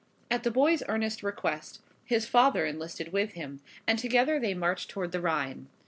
At the boy's earnest request his father enlisted with him, and together they marched toward the Rhine.